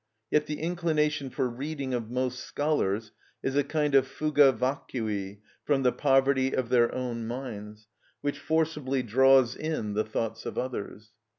Yet the inclination for reading of most scholars is a kind of fuga vacui, from the poverty of their own minds, which forcibly draws in the thoughts of others.